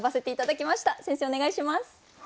先生お願いします。